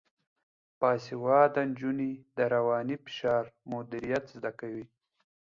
باسواده نجونې د رواني فشار مدیریت زده کوي.